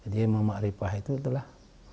jadi ilmu ma'rifah itu itulah